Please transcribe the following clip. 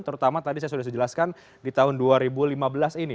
terutama tadi saya sudah sejelaskan di tahun dua ribu lima belas ini